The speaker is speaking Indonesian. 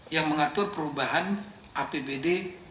yang mengatur perubahan apbd dua ribu empat